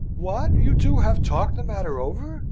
"What? You two have talked the matter over?